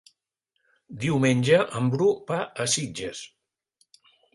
Diumenge en Bru va a Sitges.